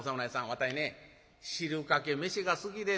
わたいね汁かけ飯が好きでんね。